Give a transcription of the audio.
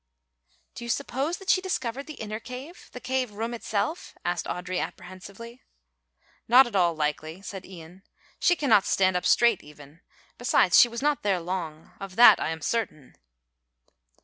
"Do you suppose that she discovered the inner cave, the cave room itself?" asked Audry apprehensively. "Not at all likely," said Ian. "She cannot stand up straight even; besides she was not there long enough; of that I am certain."